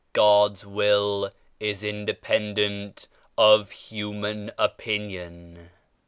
God's Will is independent of hu man opinion.